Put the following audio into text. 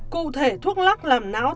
cụ thể thuốc lóc làm não